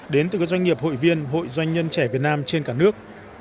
đến từ các doanh nghiệp hội viên hội doanh nhân trẻ việt nam trên cả nước